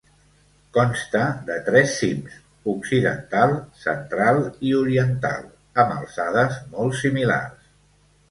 Consta de tres cims: occidental, central i oriental, amb alçades molt similars.